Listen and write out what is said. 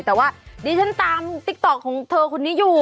แต่ว่าดิฉันตามติ๊กต๊อกของเธอคนนี้อยู่